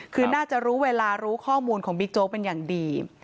คือน่าจะรู้เวลารู้ข้อมูลของบิ๊กโจ๊กเป็นอย่างดี